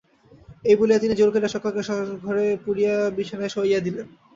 এই বলিয়া তিনি জোর করিয়া সকলকে শয়নঘরে পুরিয়া বিছানায় শোওয়াইয়া দিলেন।